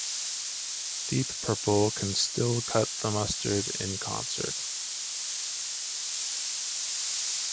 Deep Purple can still cut the mustard in concert.